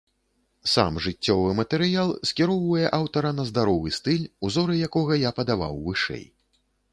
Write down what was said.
Сам жыццёвы матэрыял скіроўвае аўтара на здаровы стыль, узоры якога я падаваў вышэй.